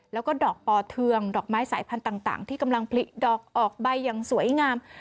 แล้วก็ดอกปอเทืองดอกไม้สายพันธุ์ต่างที่กำลังผลิดอกออกใบอย่างสวยงาม